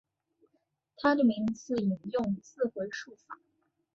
他的名字引用自回溯法。